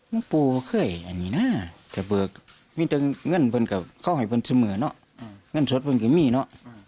ลูกศิษย์เคยที่เบิกเข้าเหมือนเหมือนเฉพาะเมื่อน้อ